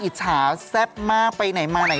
อิจฉาแซ่บมากไปไหนมาไหน